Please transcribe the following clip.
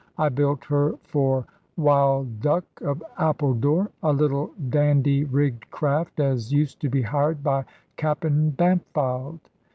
I built her for Wild duck of Appledore, a little dandy rigged craft as used to be hired by Cap'en Bampfylde.